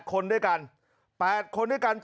นักเรียงมัธยมจะกลับบ้าน